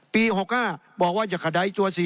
ปี๖๕บอกว่าจะขยายตัว๔